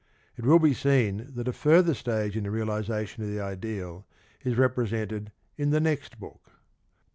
It will be seen that a further stage in the realisation of the ideal is represented in the next book (II.